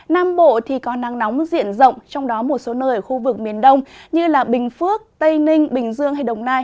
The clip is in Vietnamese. nam bộ thì có nắng nóng diện rộng trong đó một số nơi ở khu vực miền đông như bình phước tây ninh bình dương hay đồng nai